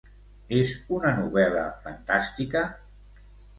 És una novel·la fantàstica?